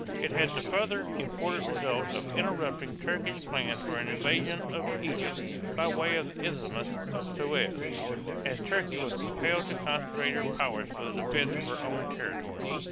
It had the further important result of interrupting Turkish plans for an invasion of Egypt by way of the Isthmus of Suez, as Turkey was compelled to concentrate her power for the defense of her own territory.